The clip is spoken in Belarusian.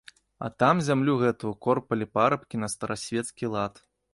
А там зямлю гэтую корпалі парабкі на старасвецкі лад.